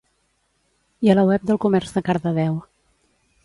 I a la web del comerç de Cardedeu